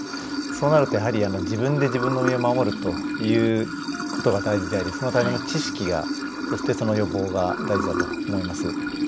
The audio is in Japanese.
そうなると、やはり自分で自分の身を守るということが大事でありそのための知識がそして、その予防が大事だと思います。